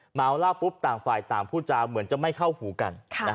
เมาเหล้าปุ๊บต่างฝ่ายต่างพูดจาเหมือนจะไม่เข้าหูกัน